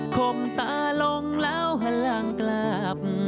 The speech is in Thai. คมตาลงแล้วหันหลังกลับ